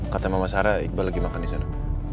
kata mama sarah iqbal lagi makan disana